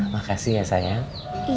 makasih ya sayang